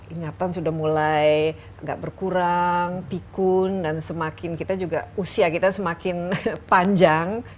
ingatan sudah mulai agak berkurang pikun dan semakin kita juga usia kita semakin panjang